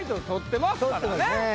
取ってますね。